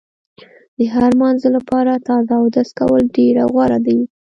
د هر مانځه لپاره تازه اودس کول ډېر غوره دي.